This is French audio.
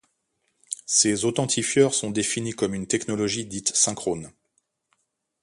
Ces authentifieurs sont définis comme une technologie dite synchrone.